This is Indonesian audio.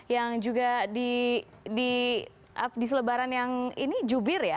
yang juga di selebaran yang ini jubir ya